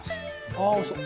ああおいしそう。